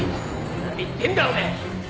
何言ってんだお前。